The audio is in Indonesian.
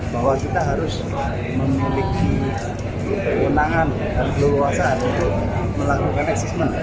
bahwa kita harus memiliki kewenangan dan keleluasaan untuk melakukan assessment